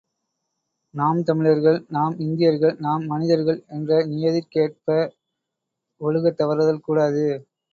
நாம் தமிழர்கள், நாம் இந்தியர்கள், நாம் மனிதர்கள் என்ற நியதிக்கேற்ப ஒழுகத் தவறுதல் கூடாது.